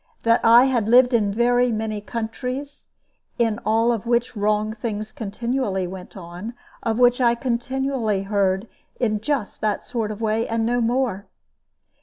That I had lived in very many countries, in all of which wrong things continually went on, of which I continually heard just in that sort of way and no more.